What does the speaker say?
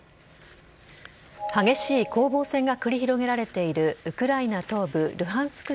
激しい攻防戦が繰り広げられているウクライナ東部ルハンスク